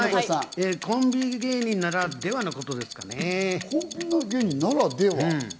コンビ芸人ならではのことですかね。